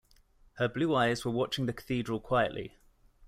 Her blue eyes were watching the cathedral quietly.